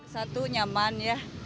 satu nyaman ya